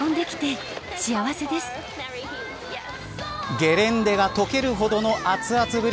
ゲレンデがとけるほどの熱々ぶり